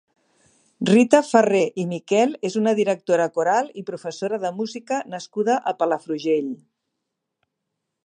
Rita Ferrer i Miquel és una directora coral i professora de música nascuda a Palafrugell.